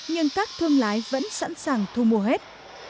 nhưng các thương lái vẫn sẵn sàng thu mua hết